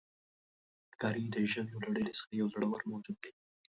ښکاري د ژویو له ډلې څخه یو زړور موجود دی.